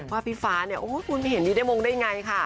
ว่าพี่ฟ้าคุณเห็นดีได้มงได้อย่างไรค่ะ